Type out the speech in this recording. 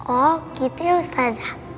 oh gitu ya ustazah